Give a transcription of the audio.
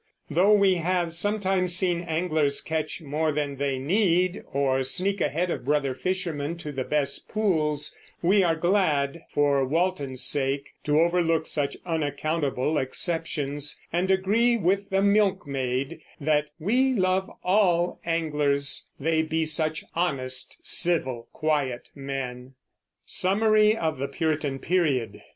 Though we have sometimes seen anglers catch more than they need, or sneak ahead of brother fishermen to the best pools, we are glad, for Walton's sake, to overlook such unaccountable exceptions, and agree with the milkmaid that "we love all anglers, they be such honest, civil, quiet men." SUMMARY OF THE PURITAN PERIOD.